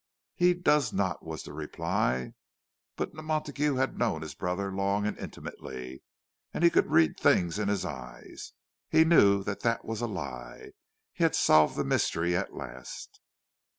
"He does not," was the reply. But Montague had known his brother long and intimately, and he could read things in his eyes. He knew that that was a lie. He had solved the mystery at last!